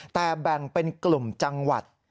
แต่แบ่งเป็นกลุ่มจังหวัด